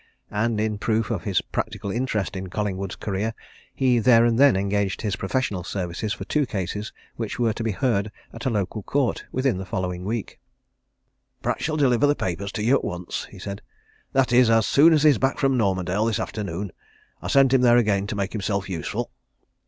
And in proof of his practical interest in Collingwood's career, he there and then engaged his professional services for two cases which were to be heard at a local court within the following week. "Pratt shall deliver the papers to you at once," he said. "That is, as soon as he's back from Normandale this afternoon. I sent him there again to make himself useful."